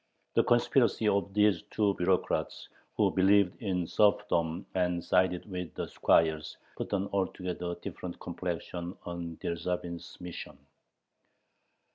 The conspiracy of these two bureaucrats, who believed in serfdom and sided with the squires, put an altogether different complexion on Dyerzhavin's mission.